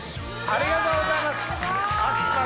ありがとうございます！